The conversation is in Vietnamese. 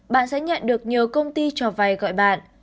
bạn sẽ nhận được nhiều công ty cho vay gọi bạn